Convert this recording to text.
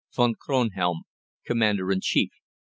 =VON KRONHELM, Commander in Chief.